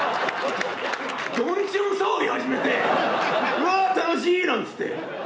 どんちゃん騒ぎ始めて「うわ楽しい」なんつって。